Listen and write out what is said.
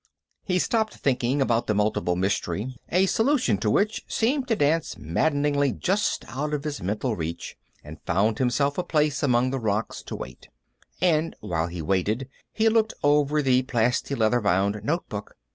He stopped thinking about the multiple mystery, a solution to which seemed to dance maddeningly just out of his mental reach, and found himself a place among the rocks to wait, and while he waited, he looked over the plastileather bound notebook.